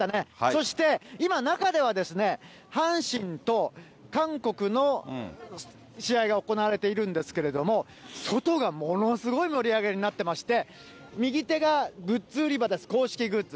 そして、今、中では阪神と韓国の試合が行われているんですけれども、外がものすごい盛り上がりになっていまして、右手がグッズ売り場です、公式グッズ。